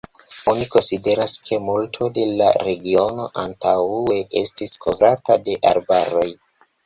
Oni konsideras ke multo de la regiono antaŭe estis kovrata de arbaroj.